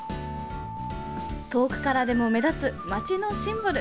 遠くからでも目立つ街のシンボル